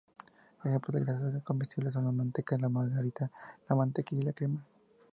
Ejemplos de grasas comestibles son la manteca, la margarina, la mantequilla y la crema.